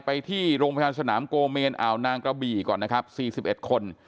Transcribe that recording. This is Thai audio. ไปที่โรงพยาบาลสนามโกเมนอ่าวนางกระบี่ก่อนนะครับ๔๑คน